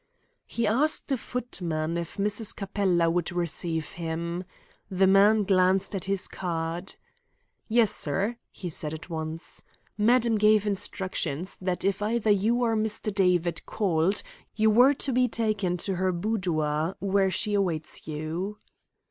He asked a footman if Mrs. Capella would receive him. The man glanced at his card. "Yes, sir," he said at once. "Madam gave instructions that if either you or Mr. David called you were to be taken to her boudoir, where she awaits you."